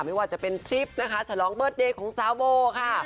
ไม่ว่าจะเป็นทริปนะคะฉลองเบิร์ดเดย์ของสาวโบค่ะ